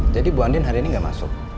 jadi bu andin hari ini gak masuk